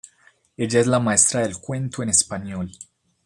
Ella es la maestra del cuento en español.